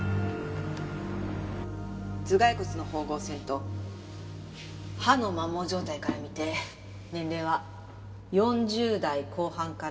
頭蓋骨の縫合線と歯の摩耗状態から見て年齢は４０代後半から５０代。